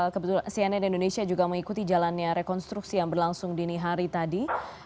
kebetulan cnn indonesia juga mengikuti jalannya rekonstruksi yang berlangsung dini hari tadi